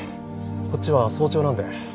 こっちは早朝なんで。